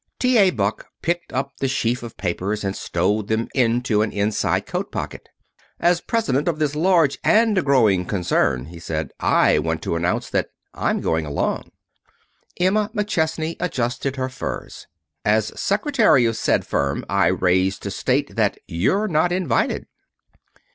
T. A. Buck picked up the sheaf of papers and stowed them into an inside coat pocket. "As president of this large and growing concern," he said, "I want to announce that I'm going along." Emma McChesney adjusted her furs. "As secretary of said firm I rise to state that you're not invited."